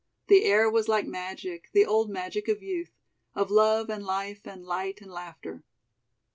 The air was like magic, the old magic of youth, "of love and life and light and laughter."